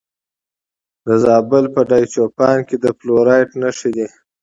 د زابل په دایچوپان کې د فلورایټ نښې شته.